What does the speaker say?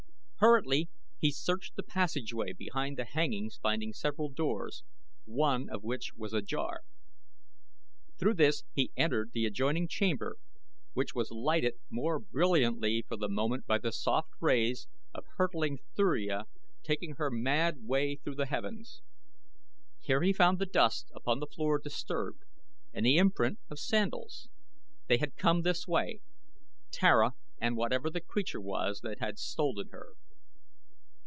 Hurriedly he searched the passageway behind the hangings finding several doors, one of which was ajar. Through this he entered the adjoining chamber which was lighted more brilliantly for the moment by the soft rays of hurtling Thuria taking her mad way through the heavens. Here he found the dust upon the floor disturbed, and the imprint of sandals. They had come this way Tara and whatever the creature was that had stolen her.